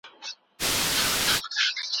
نړيوال موسسات د هيوادونو اړيکي څېړي.